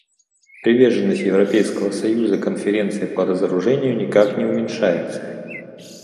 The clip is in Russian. Приверженность Европейского союза Конференции по разоружению никак не уменьшается.